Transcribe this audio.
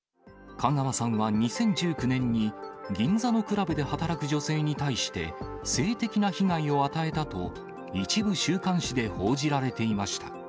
香川さんは２０１９年に銀座のクラブで働く女性に対して性的な被害を与えたと一部週刊誌で報じられていました。